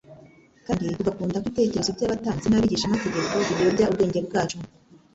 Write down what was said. kandi tugakunda ko ibitekerezo by'abatambyi n'abigishamategeko biyobya ubwenge bwacu,